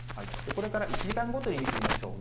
これから１時間ごとに見てみましょう。